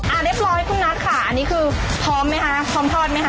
อ่าได้พร้อมครับคุณนัทค่ะอันนี้คือพร้อมไหมคะพร้อมทอดไหมคะ